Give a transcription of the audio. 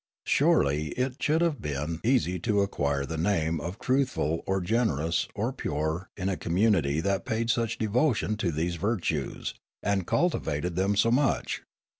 Surely it should have been easy to acquire the name of truthful or generous or pure in a community that paid such devotion to these virtues, and cultivated them so much.